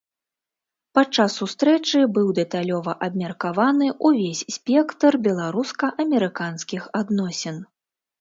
Падчас сустрэчы быў дэталёва абмеркаваны ўвесь спектр беларуска-амерыканскіх адносін.